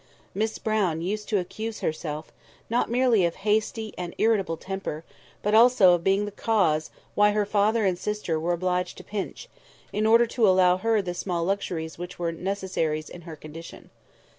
Miss Brown used to accuse herself, not merely of hasty and irritable temper, but also of being the cause why her father and sister were obliged to pinch, in order to allow her the small luxuries which were necessaries in her condition.